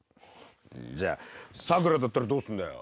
じゃあさくらだったらどうするんだよ？